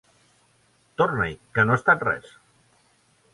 Torna-hi, que no ha estat res!